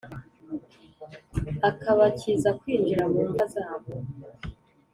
akabakiza kwinjira mu mva zabo.